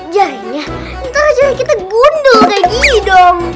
jarinya ntar aja kita gundul lagi dong